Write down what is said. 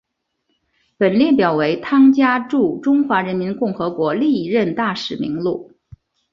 本列表为汤加驻中华人民共和国历任大使名录。